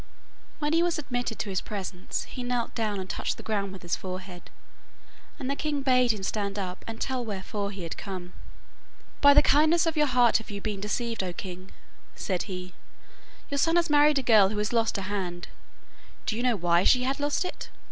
When he was admitted to his presence, he knelt down and touched the ground with his forehead, and the king bade him stand up and tell wherefore he had come. 'By the kindness of your heart have you been deceived, O king,' said he. 'Your son has married a girl who has lost a hand. Do you know why she had lost it?